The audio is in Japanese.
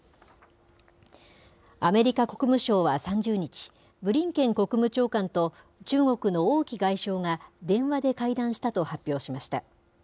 アメリカ国務省は３０日、ブリンケン国務長官と中国の王毅外相が電話で会談したと発表しました。